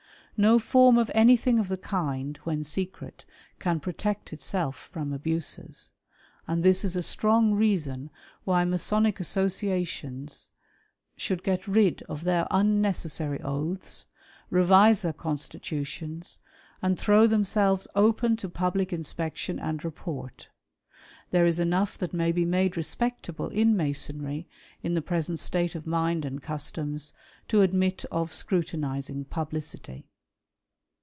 No form of anythino of " the kind, when secret, can protect itself from abuses • and " this is a strong reason why Masonic associations should get rid '•of their unnecessary oaths, revise their constitutions, and throw " themselves open to public inspection and report. There is " enough that may be made respectable in Masonry, in the "present state of mind and customs, to admit of scrutinising " publicity."